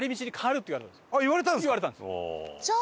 言われたんですか？